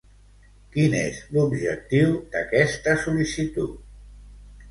Quin és l'objectiu d'aquesta sol·licitud?